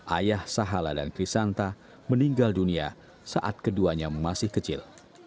ayah sahala dan krisanta meninggal dunia saat keduanya masih kecil